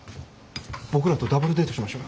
僕らとダブルデートしましょうよ。